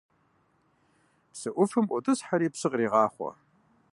Псы Ӏуфэм ӏуотӏысхьэри псы кърегъахъуэ.